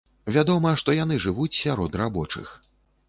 Вядома, што яны жывуць сярод рабочых.